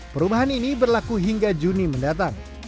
perubahan ini berlaku hingga juni mendatang